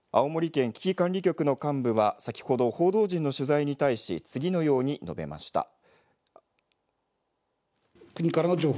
青森県危機管理局の幹部は先ほど報道陣の取材に対し次のように述べました。